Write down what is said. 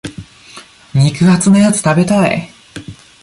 肉厚なやつ食べたい。